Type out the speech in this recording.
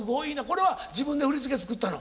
これは自分で振り付け作ったの？